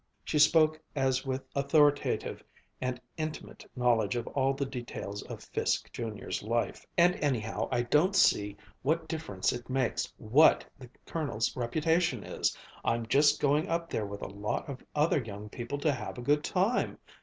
She spoke as with authoritative and intimate knowledge of all the details of Fiske, Jr.'s, life. "And anyhow, I don't see what difference it makes, what the Colonel's reputation is. I'm just going up there with a lot of other young people to have a good time.